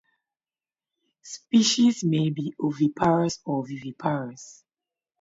Species may be oviparous or viviparous.